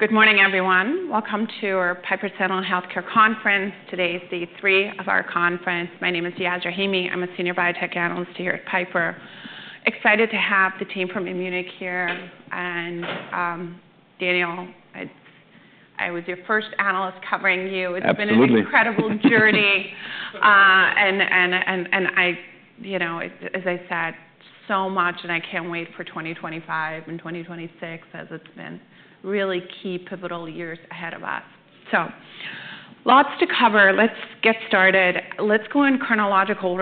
Good morning, everyone. Welcome to our Piper Sandler Healthcare Conference. Today is day three of our conference. My name is Yasmeen Rahimi. I'm a Senior Biotech Analyst here at Piper. Excited to have the team from Immunic here, and Daniel, I was your first analyst covering you. It's been an incredible journey. Absolutely. And, you know, as I said, so much, and I can't wait for 2025 and 2026, as it's been really key pivotal years ahead of us. So, lots to cover. Let's get started. Let's go in chronological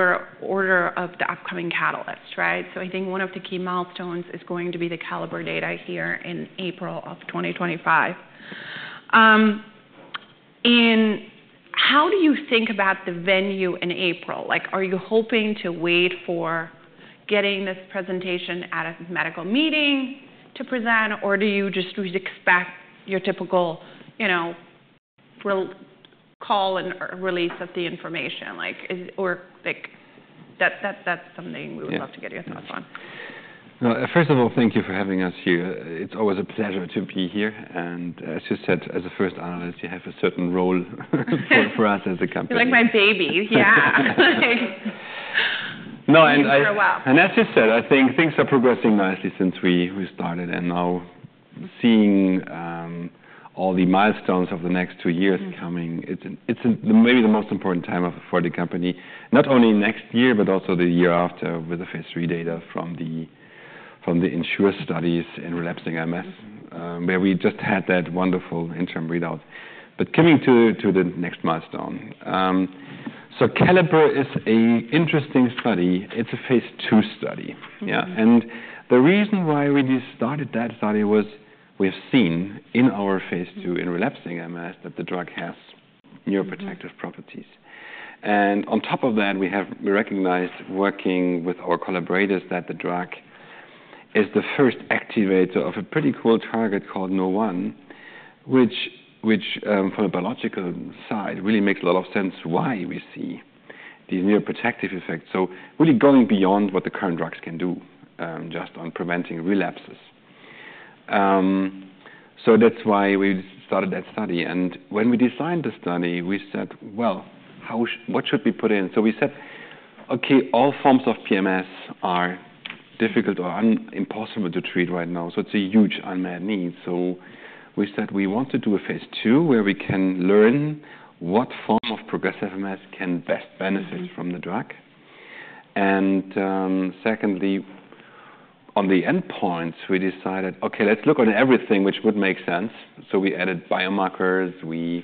order of the upcoming catalysts, right? So, I think one of the key milestones is going to be the CALLIPER data here in April of 2025. And how do you think about the venue in April? Like, are you hoping to wait for getting this presentation at a medical meeting to present, or do you just expect your typical, you know, call and release of the information? Like, or, like, that's something we would love to get your thoughts on. First of all, thank you for having us here. It's always a pleasure to be here. And, as you said, as a first analyst, you have a certain role for us as a company. You're like my baby, yeah. No, and. For a while. As you said, I think things are progressing nicely since we started. And now, seeing all the milestones of the next two years coming, it's maybe the most important time for the company, not only next year, but also the year after, with the phase three data from the ENSURE studies in relapsing MS, where we just had that wonderful interim readout. But coming to the next milestone. So, CALLIPER is an interesting study. It's a phase two study, yeah. And the reason why we started that study was we have seen in our phase two in relapsing MS that the drug has neuroprotective properties. And on top of that, we recognized, working with our collaborators, that the drug is the first activator of a pretty cool target called Nurr1, which, from a biological side, really makes a lot of sense why we see these neuroprotective effects. So, really going beyond what the current drugs can do just on preventing relapses. That's why we started that study. When we designed the study, we said, well, what should we put in? We said, okay, all forms of PMS are difficult or impossible to treat right now, so it's a huge unmet need. We said we want to do a phase two where we can learn what form of progressive MS can best benefit from the drug. Secondly, on the end points, we decided, okay, let's look at everything which would make sense. We added biomarkers. We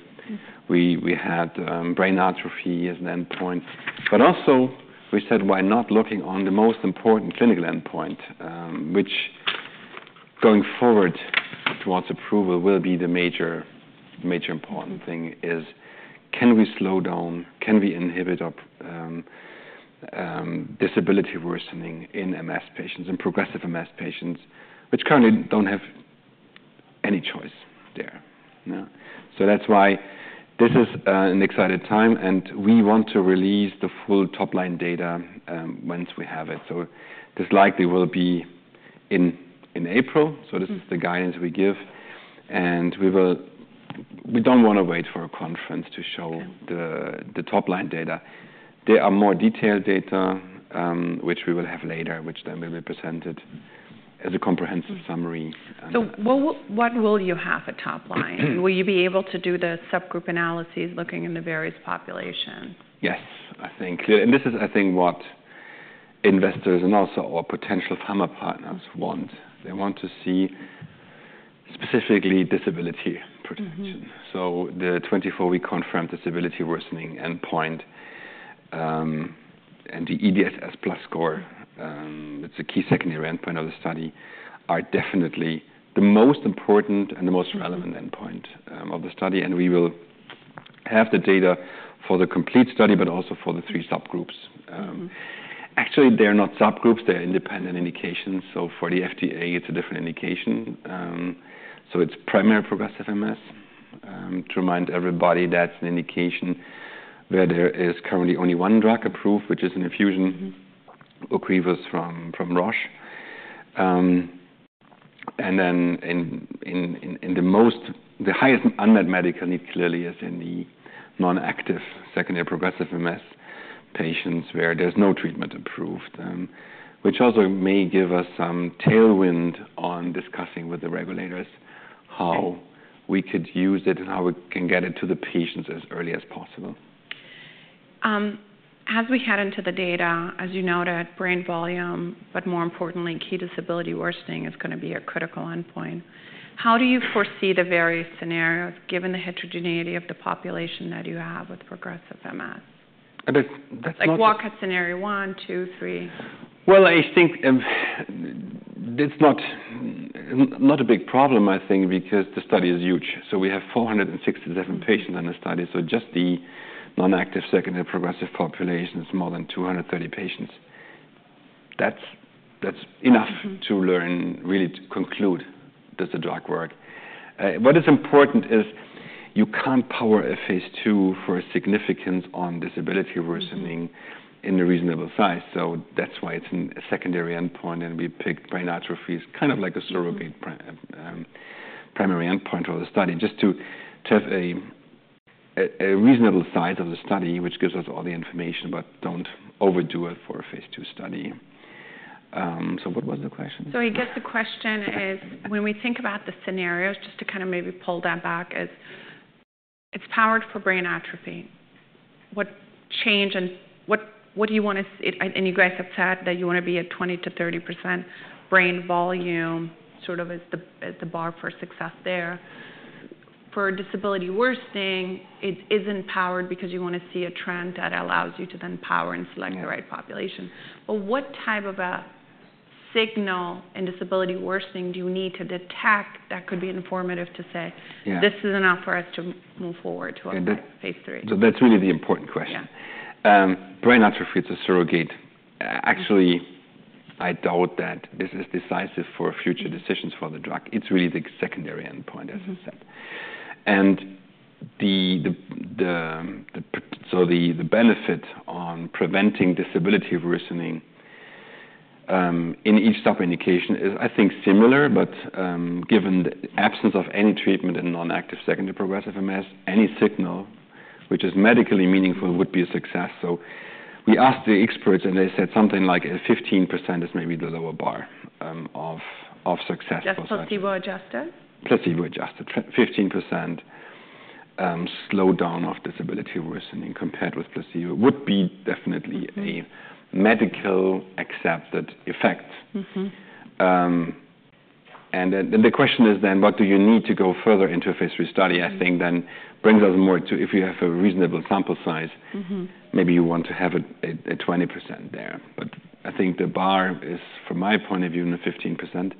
had brain atrophy as an end point. But also, we said, why not looking on the most important clinical end point, which, going forward towards approval, will be the major important thing: can we slow down, can we inhibit disability worsening in MS patients and progressive MS patients, which currently don't have any choice there? So, that's why this is an excited time, and we want to release the full top-line data once we have it. So, this likely will be in April. So, this is the guidance we give. And we don't want to wait for a conference to show the top-line data. There are more detailed data, which we will have later, which then will be presented as a comprehensive summary. What will you have at top line? Will you be able to do the subgroup analyses looking in the various populations? Yes, I think. And this is, I think, what investors and also our potential pharma partners want. They want to see specifically disability protection. So, the 24-week confirmed disability worsening end point and the EDSS-Plus score, it's a key secondary end point of the study, are definitely the most important and the most relevant end point of the study. And we will have the data for the complete study, but also for the three subgroups. Actually, they're not subgroups. They're independent indications. So, for the FDA, it's a different indication. So, it's primary progressive MS. To remind everybody, that's an indication where there is currently only one drug approved, which is an infusion OCREVUS from Roche. And then, in the highest unmet medical need, clearly, is in the non-active secondary progressive MS patients where there's no treatment approved, which also may give us some tailwind on discussing with the regulators how we could use it and how we can get it to the patients as early as possible. As we head into the data, as you noted, brain volume, but more importantly, key disability worsening is going to be a critical end point. How do you foresee the various scenarios, given the heterogeneity of the population that you have with progressive MS? That's not. Like, walk at scenario one, two, three? I think it's not a big problem, I think, because the study is huge. So, we have 467 patients in the study. So, just the non-active secondary progressive population, it's more than 230 patients. That's enough to learn, really to conclude, does the drug work? What is important is you can't power a phase two for significance on disability worsening in a reasonable size. So, that's why it's a secondary end point. And we picked brain atrophy as kind of like a surrogate primary end point for the study, just to have a reasonable size of the study, which gives us all the information, but don't overdo it for a phase two study. So, what was the question? I guess the question is, when we think about the scenarios, just to kind of maybe pull that back, is it's powered for brain atrophy. What change and what do you want to see? And you guys have said that you want to be at 20%-30% brain volume, sort of as the bar for success there. For disability worsening, it isn't powered because you want to see a trend that allows you to then power and select the right population. But what type of a signal in disability worsening do you need to detect that could be informative to say, this is enough for us to move forward to a phase III? That's really the important question. Brain atrophy is a surrogate. Actually, I doubt that this is decisive for future decisions for the drug. It's really the secondary end point, as I said. The benefit on preventing disability worsening in each sub-indication is, I think, similar, but given the absence of any treatment in non-active secondary progressive MS, any signal which is medically meaningful would be a success. We asked the experts, and they said something like 15% is maybe the lower bar of success for such cases. That's placebo-adjusted? Placebo-adjusted 15% slowdown of disability worsening compared with placebo would be definitely a medically accepted effect. Then the question is, what do you need to go further into a phase III study? I think then brings us more to, if you have a reasonable sample size, maybe you want to have a 20% there. But I think the bar is, from my point of view, 15%.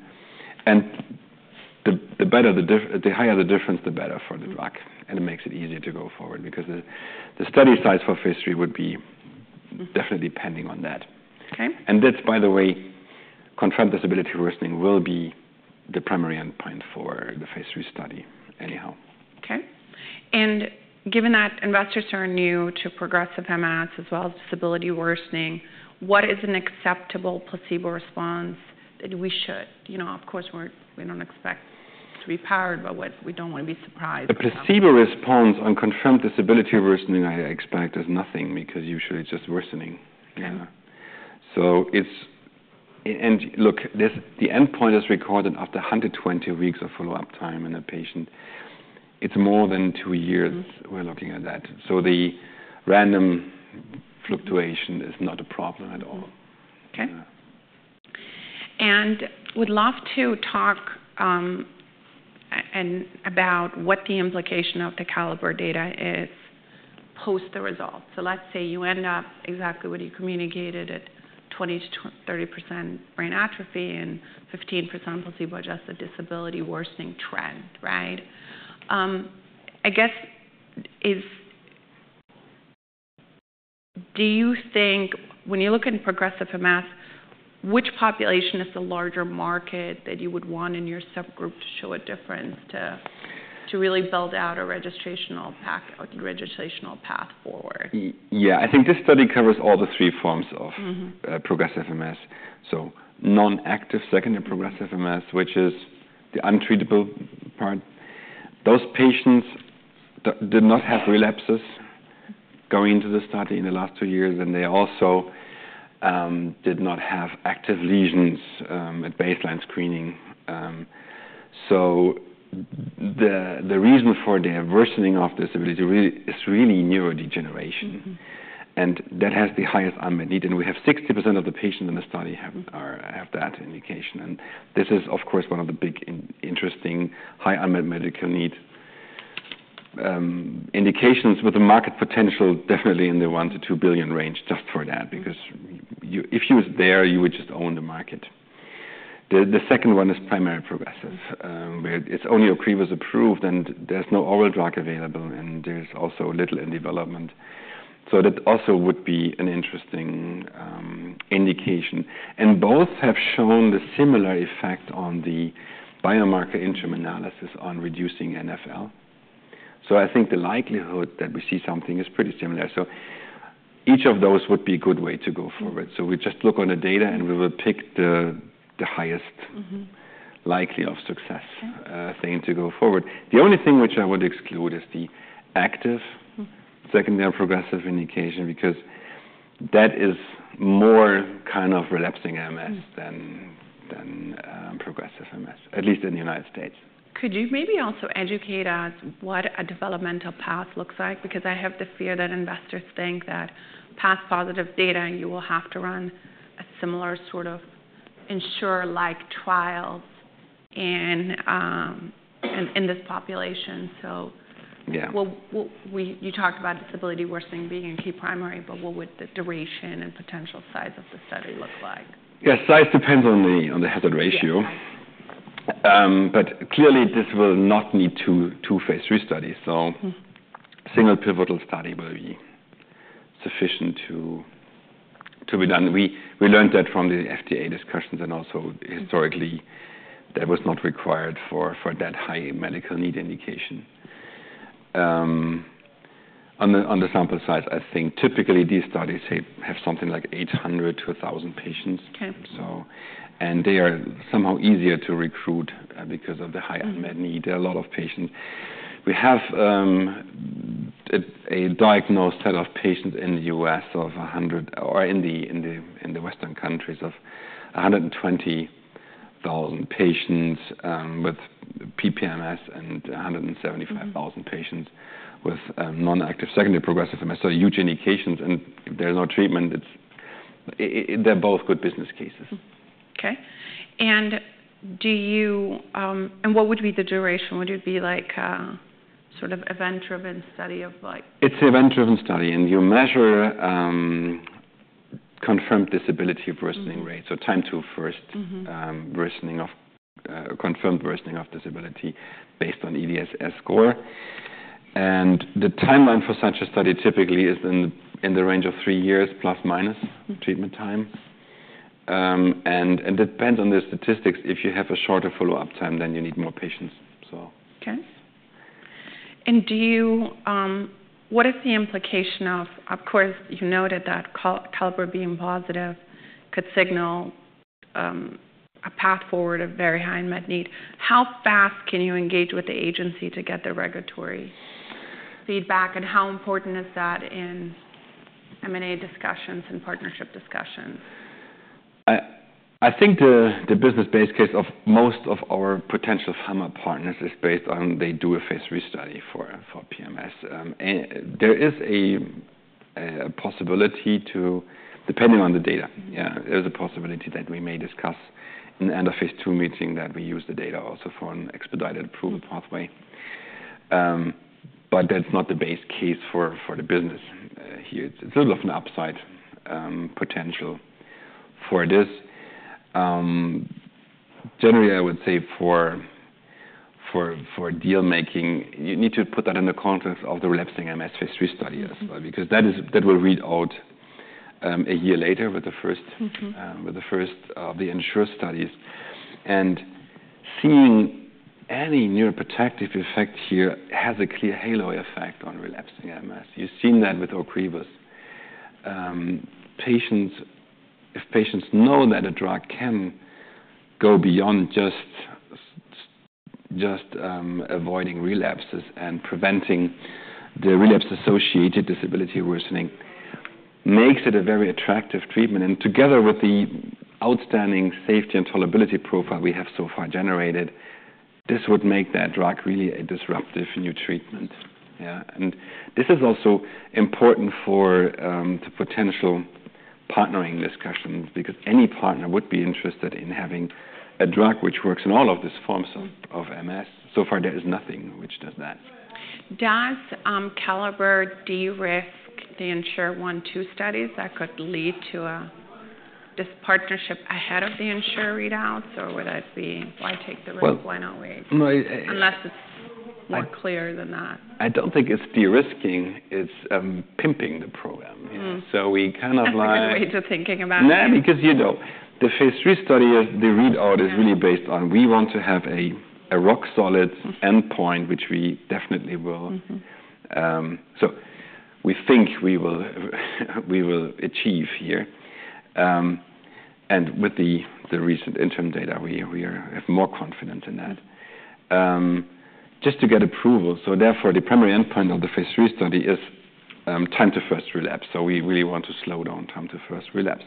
The higher the difference, the better for the drug. It makes it easier to go forward because the study size for phase III would be definitely depending on that. That's, by the way, confirmed disability worsening will be the primary end point for the phase III study anyhow. Okay. And given that investors are new to progressive MS, as well as disability worsening, what is an acceptable placebo response that we should, you know, of course, we don't expect to be powered, but we don't want to be surprised? The placebo response on confirmed disability worsening, I expect, is nothing because usually it's just worsening. So, it's, and look, the end point is recorded after 120 weeks of follow-up time in a patient. It's more than two years we're looking at that. So, the random fluctuation is not a problem at all. Okay. And we'd love to talk about what the implication of the CALLIPER data is post the results. So, let's say you end up exactly what you communicated at 20%-30% brain atrophy and 15% placebo-adjusted disability worsening trend, right? I guess, do you think, when you look at progressive MS, which population is the larger market that you would want in your subgroup to show a difference to really build out a registrational path forward? Yeah, I think this study covers all the three forms of progressive MS, so, non-active secondary progressive MS, which is the untreatable part. Those patients did not have relapses going into the study in the last two years, and they also did not have active lesions at baseline screening, so, the reason for their worsening of disability is really neurodegeneration. And that has the highest unmet need, and we have 60% of the patients in the study have that indication, and this is, of course, one of the big interesting high unmet medical need indications with a market potential definitely in the $1 billion-$2 billion range just for that, because if you were there, you would just own the market. The second one is primary progressive, where it's only OCREVUS approved, and there's no oral drug available, and there's also little in development. So, that also would be an interesting indication. And both have shown the similar effect on the biomarker interim analysis on reducing NfL. So, I think the likelihood that we see something is pretty similar. So, each of those would be a good way to go forward. So, we just look on the data, and we will pick the highest likelihood of success thing to go forward. The only thing which I would exclude is the active secondary progressive indication, because that is more kind of relapsing MS than progressive MS, at least in the United States. Could you maybe also educate us what a developmental path looks like? Because I have the fear that investors think that past positive data, you will have to run a similar sort of ENSURE-like trials in this population. So, you talked about disability worsening being a key primary, but what would the duration and potential size of the study look like? Yeah, size depends on the hazard ratio. But clearly, this will not need two phase three studies. So, a single pivotal study will be sufficient to be done. We learned that from the FDA discussions, and also historically, that was not required for that high medical need indication. On the sample size, I think typically these studies have something like 800 to 1,000 patients. So, and they are somehow easier to recruit because of the high unmet need. There are a lot of patients. We have a diagnosed set of patients in the U.S. of 100,000, or in the Western countries, of 120,000 patients with PPMS and 175,000 patients with non-active secondary progressive MS. So, huge indications, and there's no treatment. They're both good business cases. Okay. And what would be the duration? Would it be like a sort of event-driven study of like? It's an event-driven study, and you measure confirmed disability worsening rate. Time to first confirmed worsening of disability based on EDSS score. The timeline for such a study typically is in the range of three years plus minus treatment time. It depends on the statistics. If you have a shorter follow-up time, then you need more patients. Okay. And what is the implication of course, you noted that CALLIPER being positive could signal a path forward of very high unmet need? How fast can you engage with the agency to get the regulatory feedback, and how important is that in M&A discussions and partnership discussions? I think the business base case of most of our potential pharma partners is based on they do a phase three study for PMS. There is a possibility to, depending on the data, yeah, there's a possibility that we may discuss in the end of phase two meeting that we use the data also for an expedited approval pathway. But that's not the base case for the business here. It's a little of an upside potential for this. Generally, I would say for deal-making, you need to put that in the context of the relapsing MS phase three study as well, because that will read out a year later with the first of the ENSURE studies, and seeing any neuroprotective effect here has a clear halo effect on relapsing MS. You've seen that with OCREVUS. If patients know that a drug can go beyond just avoiding relapses and preventing the relapse-associated disability worsening, it makes it a very attractive treatment. And together with the outstanding safety and tolerability profile we have so far generated, this would make that drug really a disruptive new treatment. Yeah. And this is also important for the potential partnering discussions, because any partner would be interested in having a drug which works in all of these forms of MS. So far, there is nothing which does that. Does CALLIPER de-risk the ENSURE one-two studies that could lead to this partnership ahead of the ENSURE readouts? Or would that be why take the risk? Why not wait? Unless it's more clear than that. I don't think it's de-risking. It's pimping the program. So, we kind of like. I'm not in a way to thinking about it. No, because you know, the phase III study, the readout is really based on we want to have a rock-solid end point, which we definitely will. So, we think we will achieve here. And with the recent interim data, we have more confidence in that. Just to get approval. So, therefore, the primary end point of the phase III study is time to first relapse. So, we really want to slow down time to first relapse.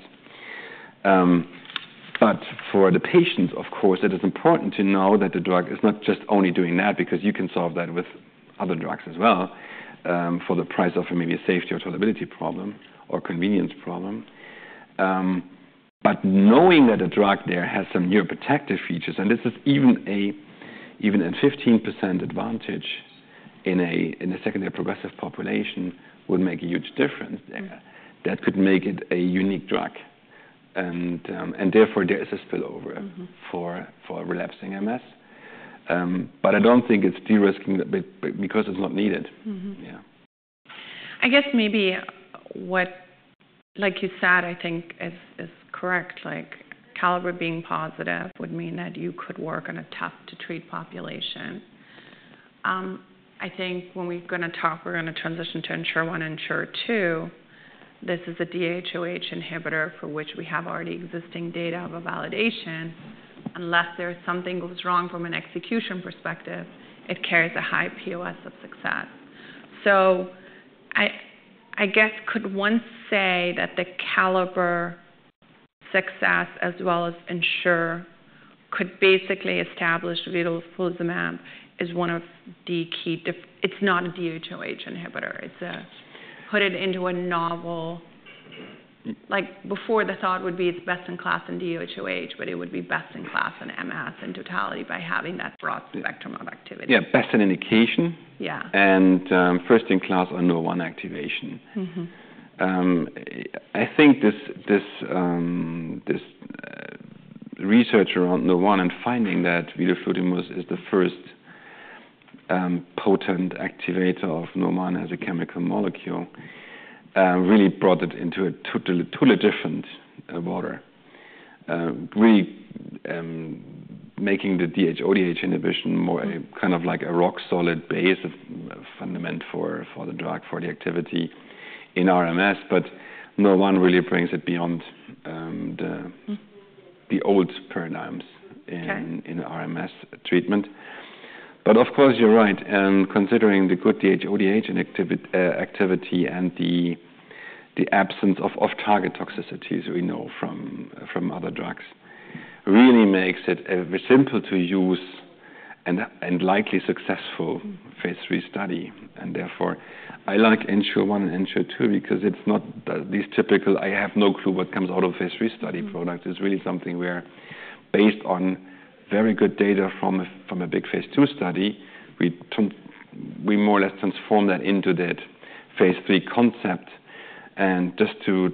But for the patients, of course, it is important to know that the drug is not just only doing that, because you can solve that with other drugs as well for the price of maybe a safety or tolerability problem or convenience problem. But knowing that a drug there has some neuroprotective features, and this is even a 15% advantage in a secondary progressive population, would make a huge difference. That could make it a unique drug. And therefore, there is a spillover for relapsing MS. But I don't think it's de-risking because it's not needed. Yeah. I guess maybe what, like you said, I think is correct, like CALLIPER being positive would mean that you could work on a test-to-treat population. I think when we're going to talk, we're going to transition to ENSURE-1 and ENSURE-2. This is a DHODH inhibitor for which we have already existing data of a validation. Unless there's something goes wrong from an execution perspective, it carries a high POS of success. So, I guess could one say that the CALLIPER success, as well as ENSURE, could basically establish vidofludimus calcium is one of the key? It's not a DHODH inhibitor. It's a put it into a novel, like before the thought would be it's best in class in DHODH, but it would be best in class in MS in totality by having that broad spectrum of activity. Yeah, best in indication. Yeah. And first in class on Nurr1 activation. I think this research around Nurr1 and finding that vidofludimus calcium is the first potent activator of Nurr1 as a chemical molecule really brought it into a totally different world, really making the DHODH inhibition more kind of like a rock-solid base fundament for the drug, for the activity in RMS. But Nurr1 really brings it beyond the old paradigms in RMS treatment. But of course, you're right. And considering the good DHODH activity and the absence of off-target toxicities we know from other drugs really makes it a simple-to-use and likely successful phase three study. And therefore, I like ENSURE-1 and ENSURE-2 because it's not these typical, I have no clue what comes out of phase three study product. It's really something where, based on very good data from a big phase II study, we more or less transform that into that phase III concept. And just to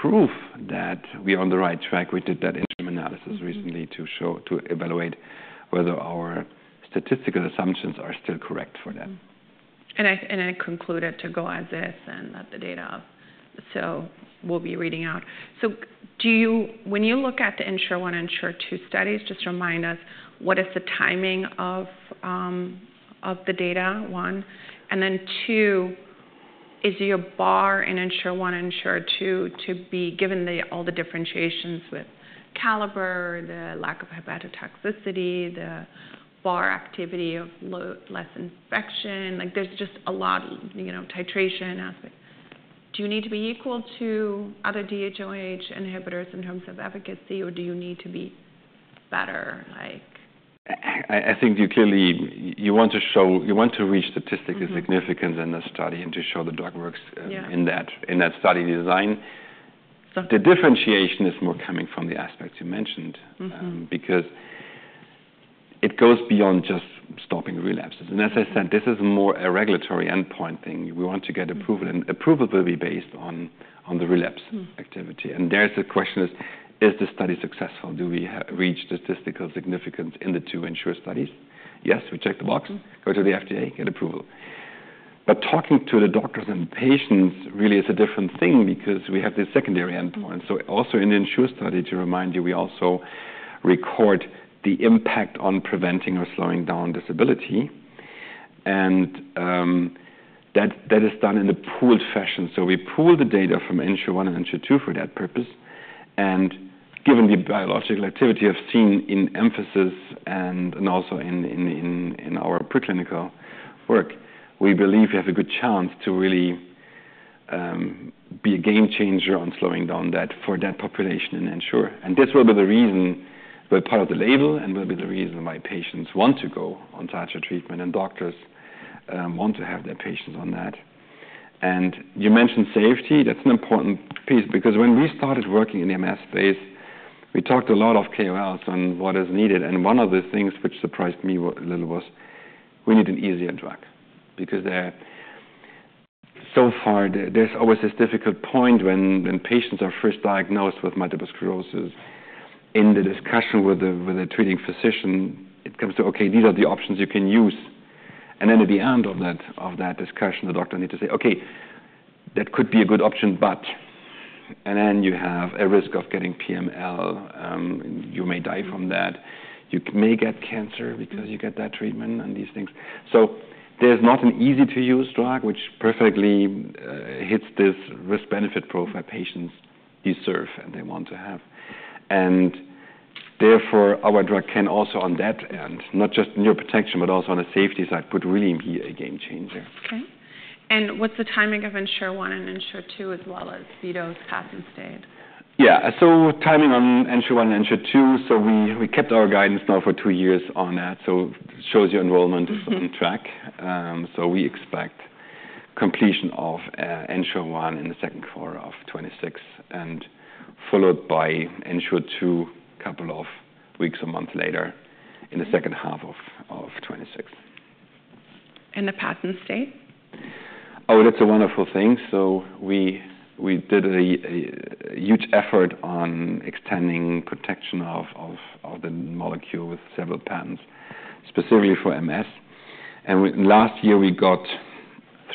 prove that we are on the right track, we did that interim analysis recently to evaluate whether our statistical assumptions are still correct for that. I concluded to go as is and let the data so we'll be reading out. So, when you look at the ENSURE-1 and ENSURE-2 studies, just remind us, what is the timing of the data? One. And then two, is your bar for ENSURE-1 and ENSURE-2 to be given all the differentiations with CALLIPER, the lack of hepatotoxicity, the broad activity of less infection? Like there's just a lot of differentiation aspect. Do you need to be equal to other DHODH inhibitors in terms of efficacy, or do you need to be better? I think you clearly want to reach statistical significance in the study and to show the drug works in that study design. The differentiation is more coming from the aspects you mentioned, because it goes beyond just stopping relapses. And as I said, this is more a regulatory end point thing. We want to get approval, and approval will be based on the relapse activity. And there's a question, is the study successful? Do we reach statistical significance in the two ENSURE studies? Yes, we check the box, go to the FDA, get approval. But talking to the doctors and patients really is a different thing, because we have the secondary end point. So, also in the ENSURE study, to remind you, we also record the impact on preventing or slowing down disability. And that is done in a pooled fashion. We pool the data from ENSURE-1 and ENSURE-2 for that purpose. And given the biological activity I've seen in EMPhASIS and also in our preclinical work, we believe we have a good chance to really be a game changer on slowing down that for that population in ENSURE. And this will be the reason, will be part of the label, and will be the reason why patients want to go on such a treatment, and doctors want to have their patients on that. And you mentioned safety. That's an important piece, because when we started working in the MS space, we talked a lot of KOLs on what is needed. And one of the things which surprised me a little was we need an easier drug, because so far there's always this difficult point when patients are first diagnosed with multiple sclerosis. In the discussion with the treating physician, it comes to, okay, these are the options you can use. And then at the end of that discussion, the doctor needs to say, okay, that could be a good option, but, and then you have a risk of getting PML. You may die from that. You may get cancer because you get that treatment and these things. So, there's not an easy-to-use drug, which perfectly hits this risk-benefit profile patients deserve and they want to have. And therefore, our drug can also on that end, not just neuroprotection, but also on the safety side, could really be a game changer. Okay, and what's the timing of ENSURE-1 and ENSURE-2, as well as vidofludimus calcium and IMU-856? Yeah. So, timing on ENSURE-1 and ENSURE-2. So, we kept our guidance now for two years on that. So, we expect completion of ENSURE-1 in the second quarter of 2026, and followed by ENSURE-2 a couple of weeks or months later in the second half of 2026. The patent estate? Oh, that's a wonderful thing. So, we did a huge effort on extending protection of the molecule with several patents, specifically for MS. And last year, we got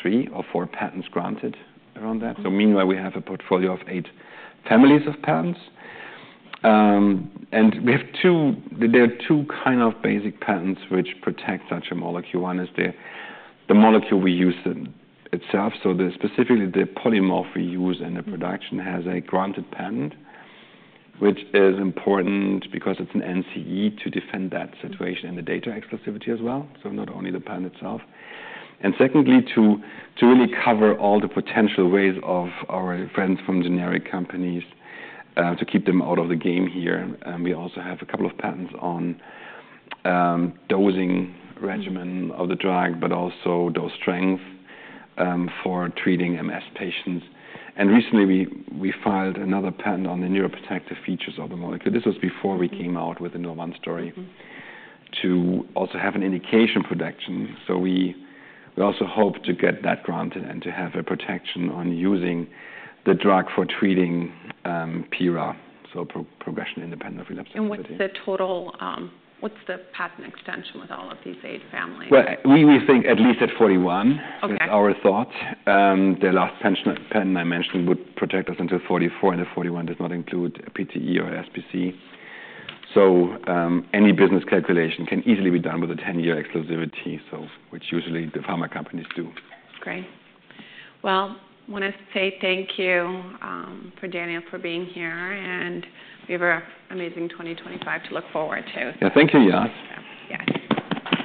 three or four patents granted around that. So, meanwhile, we have a portfolio of eight families of patents. And there are two kind of basic patents which protect such a molecule. One is the molecule we use itself. So, specifically, the polymorph we use in the production has a granted patent, which is important because it's an NCE to defend that situation and the data exclusivity as well. So, not only the patent itself. And secondly, to really cover all the potential ways of our friends from generic companies to keep them out of the game here. We also have a couple of patents on dosing regimen of the drug, but also dose strength for treating MS patients. And recently, we filed another patent on the neuroprotective features of the molecule. This was before we came out with the Nurr1 story to also have an indication protection. So, we also hope to get that granted and to have a protection on using the drug for treating PIRA, so progression independent of relapse activity. What's the total? What's the patent extension with all of these eight families? We think at least at 2041 is our thought. The last patent I mentioned would protect us until 2044, and the 2041 does not include PTE or SPC. Any business calculation can easily be done with a 10-year exclusivity, which usually the pharma companies do. Great. I want to say thank you for Daniel for being here, and we have an amazing 2025 to look forward to. Yeah, thank you, Yas. Yes.